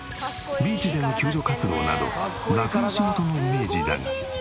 ビーチでの救助活動など夏の仕事のイメージだが。